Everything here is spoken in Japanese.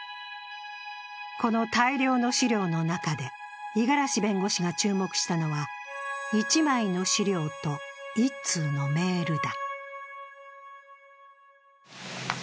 この大量の資料の中で五十嵐弁護士が注目したのは１枚の資料と１通のメールだ。